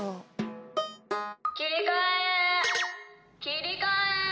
きりかえきりかえ。